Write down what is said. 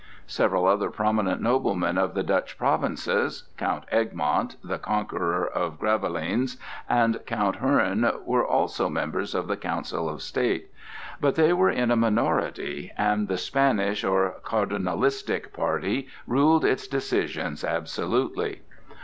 Several other prominent noblemen of the Dutch provinces, Count Egmont, the conqueror of Gravelines, and Count Hoorn, were also members of the Council of State; but they were in a minority, and the Spanish or Cardinalistic party ruled its decisions absolutely.